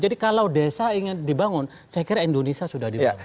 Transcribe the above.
jadi kalau desa ingin dibangun saya kira indonesia sudah dibangun